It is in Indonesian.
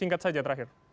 singkat saja terakhir